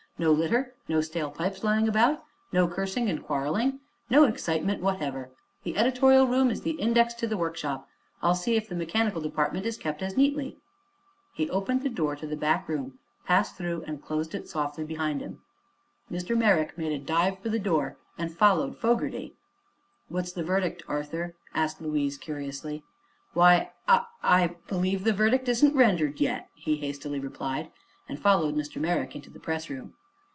"No litter, no stale pipes lying about, no cursing and quarreling, no excitement whatever. The editorial room is the index to the workshop; I'll see if the mechanical department is kept as neatly." He opened the door to the back room, passed through and closed it softly behind him. Mr. Merrick made a dive for the door and followed Fogerty. "What's the verdict, Arthur?" asked Louise curiously. "Why, I I believe the verdict isn't rendered yet," he hastily replied, and followed Mr. Merrick into the pressroom.